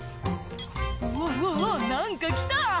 「うわうわうわ何か来た！」